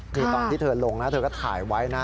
ตอนที่ลงเธอก็ท้ายไว้นะ